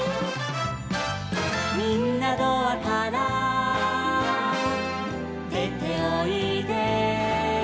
「みんなドアからでておいで」